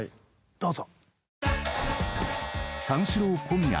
どうぞ。